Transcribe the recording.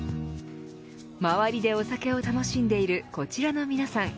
周りでお酒を楽しんでいるこちらの皆さん